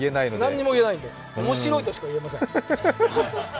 何にも言えないんで、おもしろいとしか言えません。